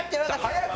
早く！